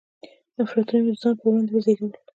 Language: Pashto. نفرتونه مې د ځان پر وړاندې وزېږول.